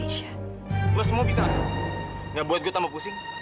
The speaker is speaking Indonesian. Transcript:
nggak buat gue tambah pusing